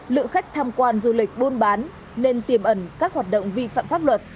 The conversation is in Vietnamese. lượng khách tham quan du lịch buôn bán nên tiềm ẩn các hoạt động vi phạm pháp luật